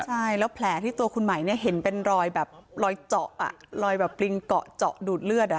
ใช่แล้วแผลที่ตัวคุณไหมเนี่ยเห็นเป็นรอยแบบรอยเจาะอ่ะรอยแบบปริงเกาะเจาะเจาะดูดเลือด